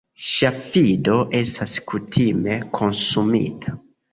Ŝafido estas kutime konsumita.